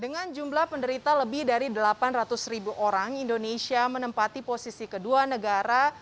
dengan jumlah penderita lebih dari delapan ratus ribu orang indonesia menempati posisi kedua negara